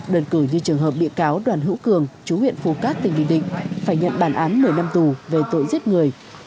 đơn cử như trường hợp bị cáo đoàn hữu cường chú huyện phù cát tỉnh bình định phải nhận bản án một mươi năm tù về tội giết người